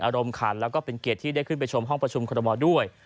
อารมณ์ขันแล้วก็เป็นเกียรติที่ได้ขึ้นไปชมห้องประชุมคอรมอลด้วย